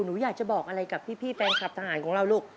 หนูอยากจะบอกอะไรกับพี่แฟนคลับทหารของเราลูก